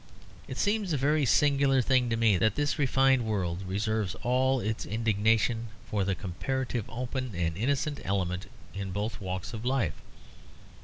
It seems a very singular thing to me that this refined world reserves all its indignation for the comparatively open and innocent element in both walks of life.